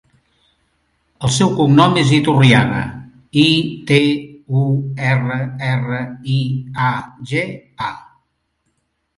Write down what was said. El seu cognom és Iturriaga: i, te, u, erra, erra, i, a, ge, a.